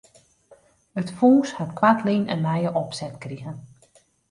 It fûns hat koartlyn in nije opset krigen.